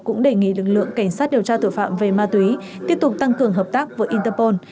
cũng đề nghị lực lượng cảnh sát điều tra tội phạm về ma túy tiếp tục tăng cường hợp tác với interpol